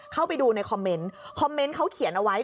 เข้าไปดูในคอมเมนต์คอมเมนต์เขาเขียนเอาไว้